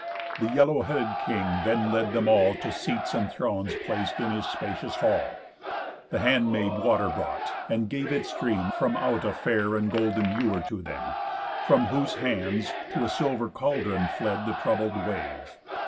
The yellow headed king then led them all To seats and thrones plac'd in his spacious hall. The hand maid water brought, and gave it stream From out a fair and golden ewer to them, From whose hands to a silver caldron fled The troubled wave.